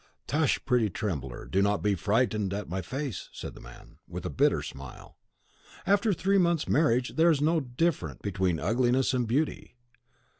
"Tush, pretty trembler! do not be frightened at my face," said the man, with a bitter smile. "After three months' marriage, there is no different between ugliness and beauty.